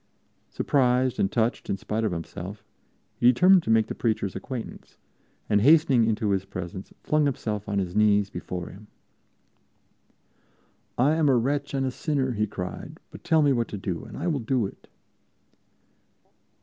Surprised and touched in spite of himself, he determined to make the preacher's acquaintance and, hastening into his presence, flung himself on his knees before him. "I am a wretch and a sinner!" he cried, "but tell me what to do and I will do it."